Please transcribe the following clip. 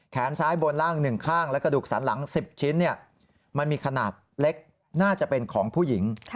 แขนซ้ายบนล่าง๑ข้างและกระดูกสันหลัง๑๐ชิ้นมันมีขนาดเล็กน่าจะเป็นของผู้หญิง